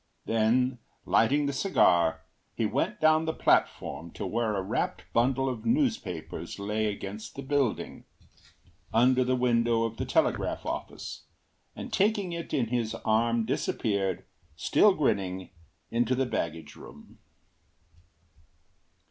Then, lighting the cigar, he went down the platform to where a wrapped bundle of newspapers lay against the building, under the window of the telegraph office, and taking it in his arm disappeared, still grinning, into the baggage room.